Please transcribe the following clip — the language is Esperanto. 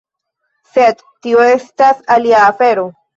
Sed tio estas alia afero.